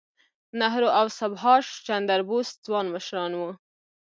نهرو او سبهاش چندر بوس ځوان مشران وو.